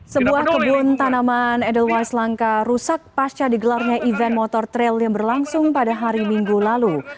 sebuah kebun tanaman edelweiss langka rusak pasca digelarnya event motor trail yang berlangsung pada hari minggu lalu